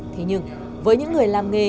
thế nhưng với những người làm nghề